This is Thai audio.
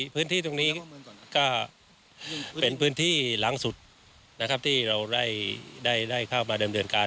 พื้นที่ตรงนี้ก็เป็นพื้นที่หลังสุดนะครับที่เราได้เข้ามาเดิมเดินการ